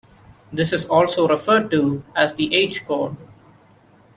This is also referred to as the "H chord".